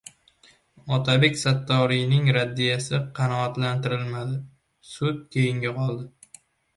Otabek Sattoriyning raddiyasi qanoatlantirilmadi. Sud keyinga qoldi